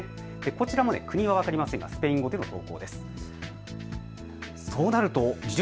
こちら、国は分かりませんがスペイン語での投稿です。